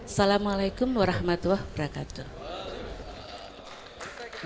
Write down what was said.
assalamualaikum warahmatullah wabarakatuh